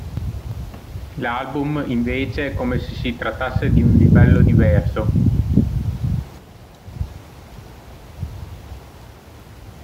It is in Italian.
L'album invece è come se si trattasse di un livello diverso.